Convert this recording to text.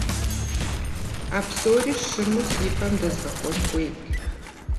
А псори щыму си фэм дэзгъэхуэн хуейт.